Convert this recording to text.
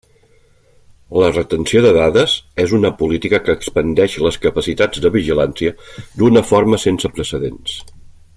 La retenció de dades és una política que expandeix les capacitats de vigilància d'una forma sense precedents.